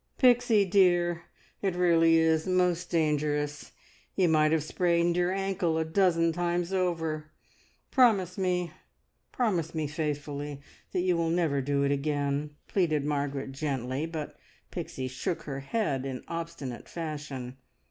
"Pixie dear, it really is most dangerous! You might have sprained your ankle a dozen times over. Promise me, promise me faithfully, that you will never do it again!" pleaded Margaret gently; but Pixie shook her head in obstinate fashion.